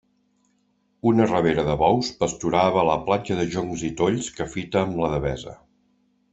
Una rabera de bous pasturava a la platja de joncs i tolls que fita amb la Devesa.